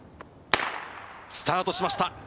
スタートしました。